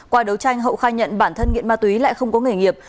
qua đấu tranh hậu khai nhận bản thân nghiện ma túy lại không có nghề nghiệp